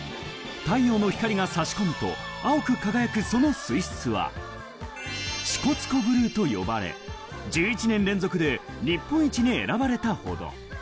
太陽の光が差し込むと青く輝くその水質は支笏湖ブルーと呼ばれ、１１年連続で日本一に選ばれたほど。